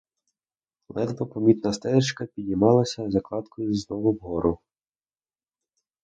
Ледве помітна стежечка підіймалася за кладкою знову вгору.